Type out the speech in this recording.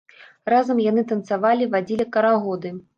Разам яны танцавалі, вадзілі карагоды.